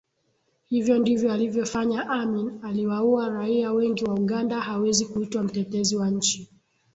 Hivyo ndivyo alivyofanya Amin aliwaua raia wengi wa Uganda hawezi kuitwa mtetezi wa nchi